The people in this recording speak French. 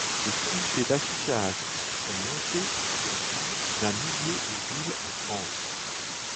Des comités d'affichage se sont montés dans plus d'un millier de villes en France.